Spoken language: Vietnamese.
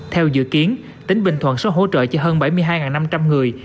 theo dự kiến tỉnh bình thuận số hỗ trợ chỉ hơn bảy mươi hai năm trăm linh người